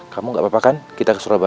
kamu gak apa apa kan kita ke surabaya